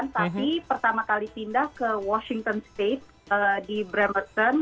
tapi pertama kali pindah ke washington state di bremerton